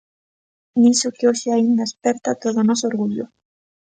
Niso que hoxe aínda esperta todo o noso orgullo.